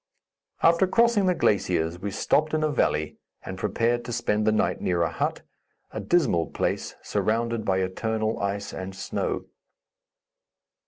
After crossing the glaciers we stopped in a valley and prepared to spend the night near a hut, a dismal place surrounded by eternal ice and snow.